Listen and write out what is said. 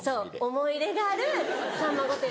思い入れがある『さんま御殿‼』